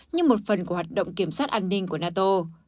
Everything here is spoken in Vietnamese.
như một phần của hoạt động kiểm soát an ninh của nato